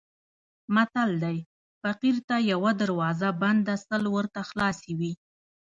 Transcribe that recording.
متل دی: فقیر ته یوه دروازه بنده سل ورته خلاصې وي.